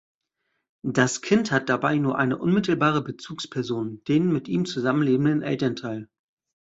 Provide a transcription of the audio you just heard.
Das Kind hat dabei nur eine unmittelbare Bezugsperson, den mit ihm zusammenlebenden Elternteil.